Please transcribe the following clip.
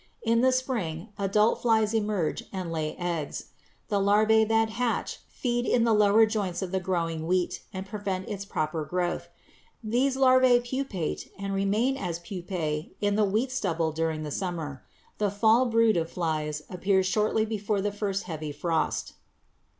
In the spring adult flies emerge and lay eggs. The larvæ that hatch feed in the lower joints of the growing wheat and prevent its proper growth. These larvæ pupate and remain as pupæ in the wheat stubble during the summer. The fall brood of flies appears shortly before the first heavy frost.